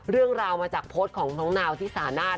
เรื่องราวมาจากโพสต์ของน้องนาวที่สานาท